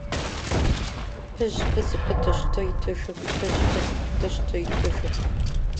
Шаги раздавались и купались.